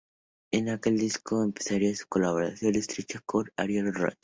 En aquel disco, empezaría su colaboración estrecha con Ariel Rot.